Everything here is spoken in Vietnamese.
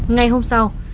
ngày hôm sau